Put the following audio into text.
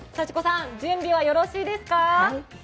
幸子さん、準備はよろしいですか？